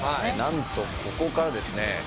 なんとここからですね